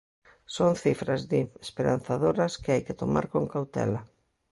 Son cifras, di, esperanzadoras que hai que tomar con cautela.